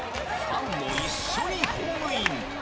ファンも一緒にホームイン。